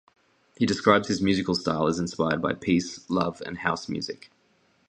He describes his musical style as inspired by "peace, love, and house music".